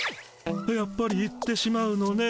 「やっぱり行ってしまうのね」。